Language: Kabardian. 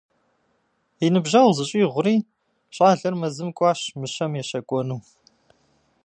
И ныбжьэгъу зыщӏигъури, щӏалэр мэзым кӏуащ мыщэм ещэкӏуэну.